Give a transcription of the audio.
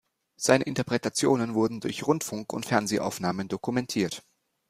Seine Interpretationen wurden durch Rundfunk- und Fernsehaufnahmen dokumentiert.